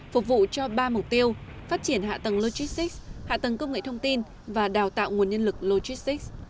phục vụ cho ba mục tiêu phát triển hạ tầng logistics hạ tầng công nghệ thông tin và đào tạo nguồn nhân lực logistics